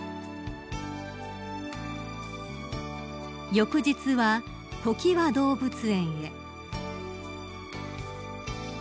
［翌日はときわ動物園へ］